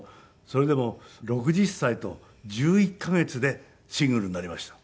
それでも６０歳と１１カ月でシングルになりました。